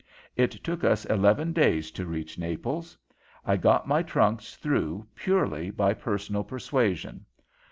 It took us eleven days to reach Naples. I got my trunks through purely by personal persuasion.